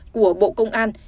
của bộ công an